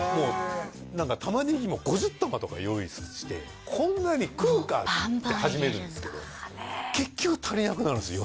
何か玉ねぎも５０玉とか用意して「こんなに食うか！」って始めるもうバンバン入れるんだ結局足りなくなるんですよ